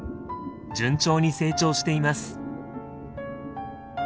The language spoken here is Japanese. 順調に成長しています。